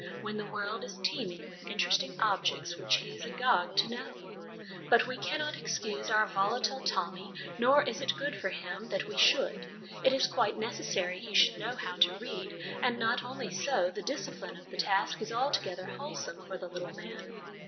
when the world is teeming with interesting objects which he is agog to know. But we cannot excuse our volatile Tommy, nor is it good for him that we should. It is quite necessary he should know how to read ; and not only so the discipline of the task is altogether wholesome for the little man.